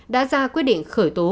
đã ra quyết định khởi tố